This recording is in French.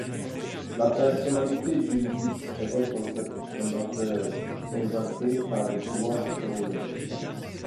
La personnalité juridique est un concept fondateur inventé par le droit romain.